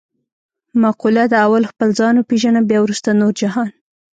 مقوله ده: اول خپل ځان و پېژنه بیا ورسته نور جهان.